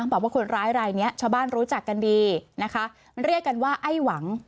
บอกว่าคนร้ายรายนี้ชาวบ้านรู้จักกันดีนะคะมันเรียกกันว่าไอ้หวัง